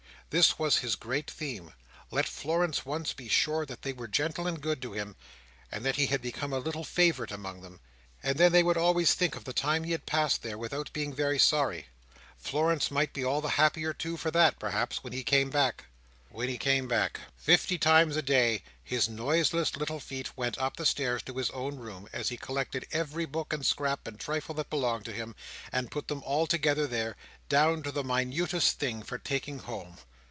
This was his great theme. Let Florence once be sure that they were gentle and good to him, and that he had become a little favourite among them, and then she would always think of the time he had passed there, without being very sorry. Florence might be all the happier too for that, perhaps, when he came back. When he came back! Fifty times a day, his noiseless little feet went up the stairs to his own room, as he collected every book, and scrap, and trifle that belonged to him, and put them all together there, down to the minutest thing, for taking home!